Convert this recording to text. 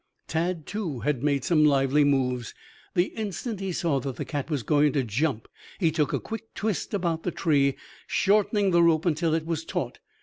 Tad, too, had made some lively moves. The instant he saw that the cat was going to jump he took a quick twist about the tree, shortening the rope until it was taut.